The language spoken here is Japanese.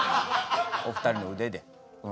お二人の腕で。